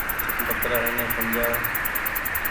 ڪترآ ايني سمجهآئو۔